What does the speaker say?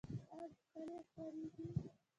آیا مقالې خپریږي؟